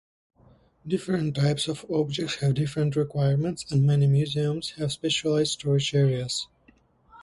Different types of objects have different requirements, and many museums have specialized storage areas.